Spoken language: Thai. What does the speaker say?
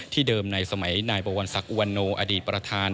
เดิมในสมัยนายบวรศักดิอุวันโนอดีตประธาน